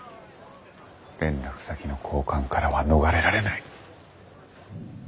連絡先の交換からは逃れられない。